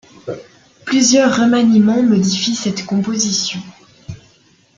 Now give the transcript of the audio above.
Plusieurs remaniements modifient cette composition.